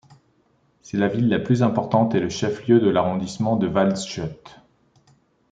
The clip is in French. C'est la ville la plus importante et le chef-lieu de l'arrondissement de Waldshut.